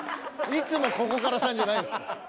いつもここからさんじゃないです。